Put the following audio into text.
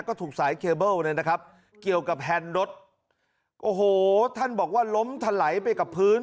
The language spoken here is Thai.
ก็ถูกสายเคเบิ้ลเนี่ยนะครับเกี่ยวกับแฮนด์รถโอ้โหท่านบอกว่าล้มถลายไปกับพื้น